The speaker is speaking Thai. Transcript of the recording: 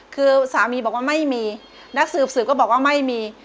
คือสามีบอกว่าไม่มีนักสืบสืบก็บอกว่าไม่มี